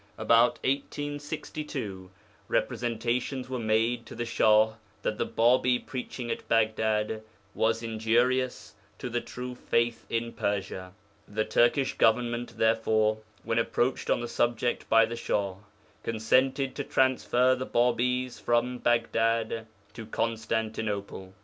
About 1862 representations were made to the Shah that the Bābī preaching at Baghdad was injurious to the true Faith in Persia. The Turkish Government, therefore, when approached on the subject by the Shah, consented to transfer the Bābīs from Baghdad to Constantinople.